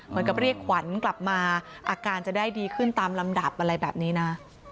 เหมือนกับเรียกขวัญกลับมาอาการจะได้ดีขึ้นตามลำดับอะไรแบบนี้นะ